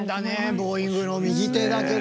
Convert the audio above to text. ボウイングの右手だけで。